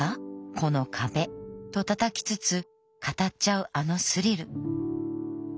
この壁と叩きつつ語っちゃうあのスリル。